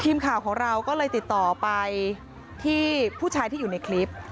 ทีมข่าวของเราก็เลยติดต่อไปที่ผู้ชายที่อยู่ในคลิป